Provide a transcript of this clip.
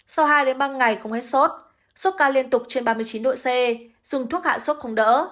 sau hai ba ngày không hết sốt sốt cao liên tục trên ba mươi chín độ c dùng thuốc hạ sốt không đỡ